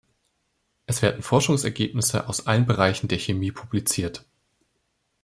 Es werden Forschungsergebnisse aus allen Bereichen der Chemie publiziert.